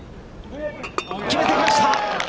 決めてきました。